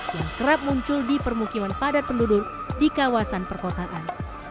yang kerap muncul di permukiman padat penduduk di kawasan perkotaan